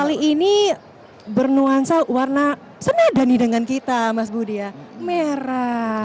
kali ini bernuansa warna senada nih dengan kita mas budi ya merah